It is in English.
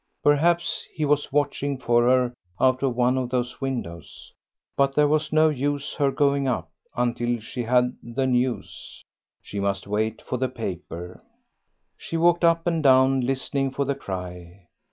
Perhaps he was watching for her out of one of those windows. But there was no use her going up until she had the news; she must wait for the paper. She walked up and down listening for the cry.